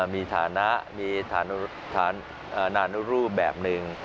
มีฐานะมีฐานนานรูปแบบหนึ่ง